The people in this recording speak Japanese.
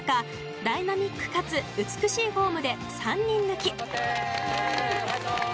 ダイナミック、かつ美しいフォームで３人抜き。